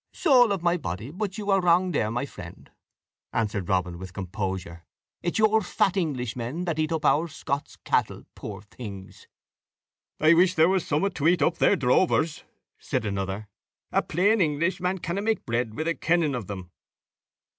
"Saul of my pody, put you are wrang there, my friend," answered Robin, with composure; "it is your fat Englishmen that eat up our Scots cattle, puir things." "I wish there was a summat to eat up their drovers," said another; "a plain Englishman canna make bread with a kenning of them."